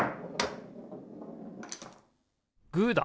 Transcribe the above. グーだ！